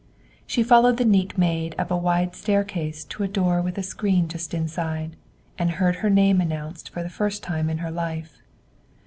She followed the neat maid up a wide staircase to a door with a screen just inside, and heard her name announced for the first time in her life.